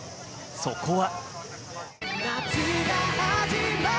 そこは。